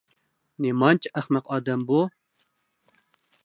نېمانچە ئەخمەق ئادەم بۇ.